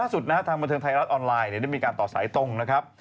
สุดนะฮะทางบันเทิงไทยรัฐออนไลน์ได้มีการต่อสายตรงนะครับ